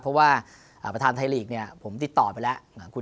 เพราะว่าประธานไทยลีกเนี่ยผมติดต่อไปแล้ว